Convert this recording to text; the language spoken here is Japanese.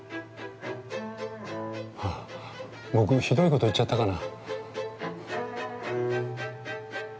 僕ひどいこと言っちゃったかな。